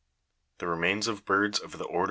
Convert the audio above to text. The remains of birds of the order Fig.